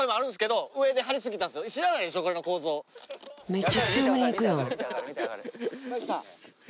めっちゃ強めにいくやん！